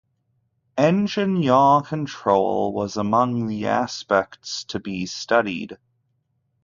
Engine yaw control was among the aspects to be studied.